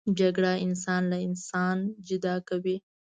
جګړه انسان له انسان جدا کوي